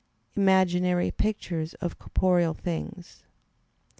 imaginary pictures of corporeal things."